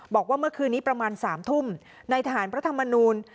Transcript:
บอกว่าเมื่อคืนนี้ประมาณ๓ทุ่มในทหารพระธรรมนูล